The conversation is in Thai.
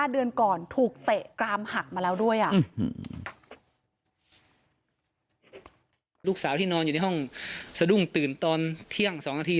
๕เดือนก่อนถูกเตะกลามหักมาแล้วด้วย